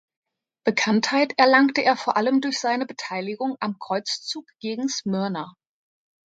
Bekanntheit erlangte er vor allem durch seine Beteiligung am Kreuzzug gegen Smyrna.